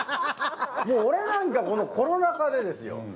もう俺なんかこのコロナ禍でですよ。